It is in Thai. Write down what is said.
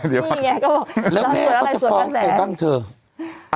นี่ไงก็แล้วแม่ก็จะฟ้อคใครบ้างเถอะ